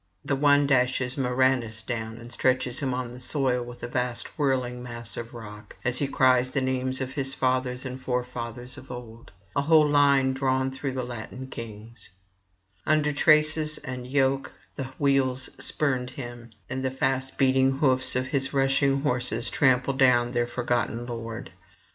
The one dashes Murranus down and stretches him on the soil with a vast whirling mass of rock, as he cries the names of his fathers and forefathers of old, a whole line drawn through Latin kings; under traces and yoke the wheels spurned him, and the fast beating hoofs of his rushing horses trample down their forgotten lord.